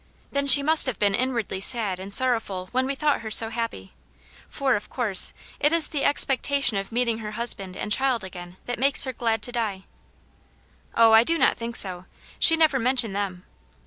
Then she must have been inwardly sad and sorrow ful when we thought her so happy. For, of course, it is the expectation of meeting her husband and child again that makes her glad to die.*' *' Oh, I do not think so I She never mentioned them."